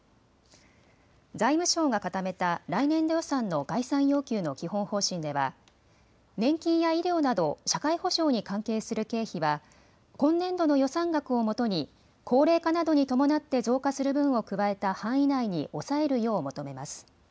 財務省が固めた来年度予算の概算要求の基本方針では年金や医療など社会保障に関係する経費は今年度の予算額をもとに高齢化などに伴って増加する分を加えた範囲内に抑えるよう求めます。